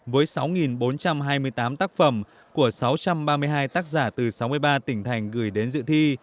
với sáu bốn trăm hai mươi tám tác phẩm của sáu trăm ba mươi hai tác giả từ sáu mươi ba tỉnh thành gửi đến dự thi